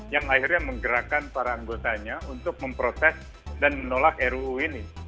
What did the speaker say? yang akhirnya menggerakkan para anggotanya untuk memproses dan menolak ruu ini